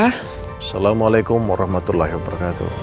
assalamualaikum warahmatullahi wabarakatuh